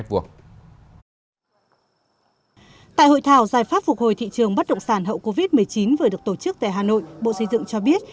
tại hội thảo giải pháp phục hồi thị trường bất động sản hậu covid một mươi chín vừa được tổ chức tại hà nội bộ xây dựng cho biết